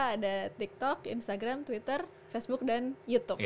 ada tiktok instagram twitter facebook dan youtube